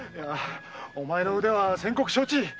お前の腕は先刻承知。